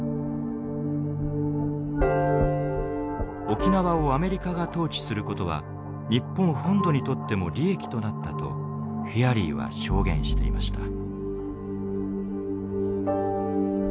沖縄をアメリカが統治することは日本本土にとっても利益となったとフィアリーは証言していました。